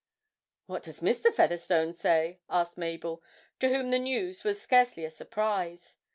'What does Mr. Featherstone say?' asked Mabel, to whom the news was scarcely a surprise.